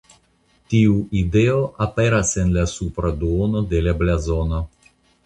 Tiu ideo aperas en la supra duono de la blazono.